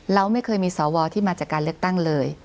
เราไม่เคยมีสวที่มาจากการเลือกตั้งเลย